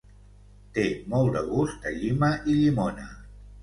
Té molt de gust a llima i llimona.